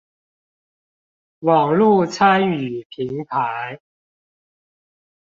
網路參與平台